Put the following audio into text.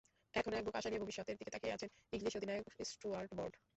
এখন একবুক আশা নিয়ে ভবিষ্যতের দিকে তাকিয়ে আছেন ইংলিশ অধিনায়ক স্টুয়ার্ট ব্রড।